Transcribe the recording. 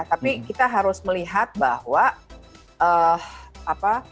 tapi kita harus melihat bahwa apa